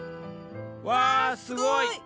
うわすごい！